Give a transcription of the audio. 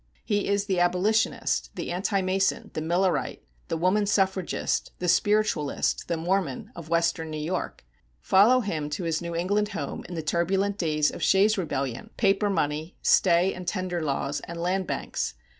He is the Abolitionist, the Anti mason, the Millerite, the Woman Suffragist, the Spiritualist, the Mormon, of Western New York. Follow him to his New England home in the turbulent days of Shays' rebellion, paper money, stay and tender laws, and land banks.